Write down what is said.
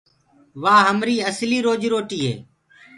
وآ همري اسلي روجيٚ روٽي هي۔